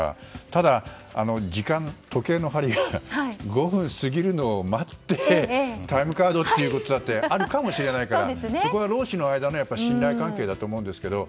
ただ、時計の針が５分すぎるのを待ってタイムカードということだってあるかもしれないからそこは労使の間の信頼関係だと思うんですけど。